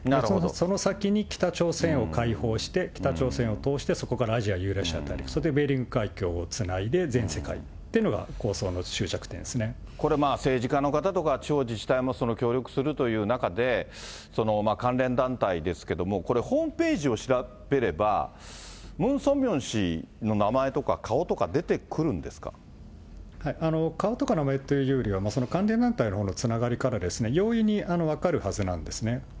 その先に北朝鮮を開放して、北朝鮮を通して、そこからアジア、ユーラシア大陸、それでベーリング海峡をつないで全世界っていうのが構想の終着でこれ、政治家の方ですとか、地方自治体も協力するという中で、関連団体ですけれども、これ、ホームページを調べれば、ムン・ソンミョン氏の名前とか顔とか出て顔とか名前というよりは、その関連団体のつながりから容易に分かるはずなんですね。